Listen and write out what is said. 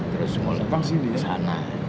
terus mulai kesana